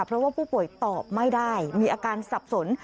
เพราะว่าผู้ป่วยตอบไม่ได้มีอาการสับสน